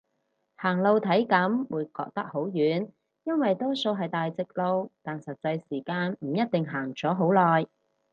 行路體感會覺得好遠，因為多數係大直路，但實際時間唔一定行咗好耐